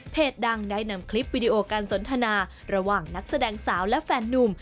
ดังได้นำคลิปวิดีโอการสนทนาระหว่างนักแสดงสาวและแฟนนุ่ม